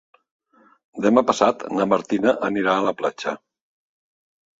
Demà passat na Martina anirà a la platja.